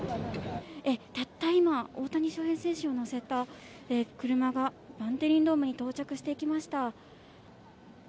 たった今、大谷翔平選手を乗せた車がバンテリンドームに到着しました。